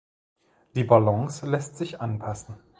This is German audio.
Die Balance lässt sich anpassen.